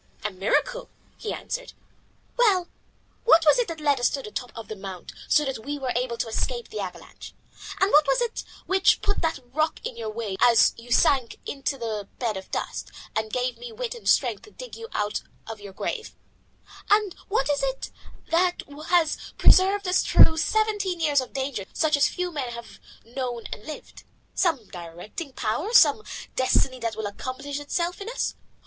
"A miracle," he answered. "Well, what was it that led us to the top of the mount so that we were able to escape the avalanche? And what was it which put that rock in your way as you sank into the bed of dust, and gave me wit and strength to dig you out of your grave of snow? And what is it that has preserved us through seventeen years of dangers such as few men have known and lived? Some directing Power. Some Destiny that will accomplish itself in us.